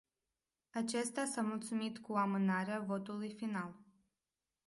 Acesta s-a mulțumit cu amânarea votului final.